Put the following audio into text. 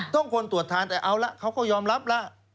คนตรวจทานแต่เอาละเขาก็ยอมรับแล้ว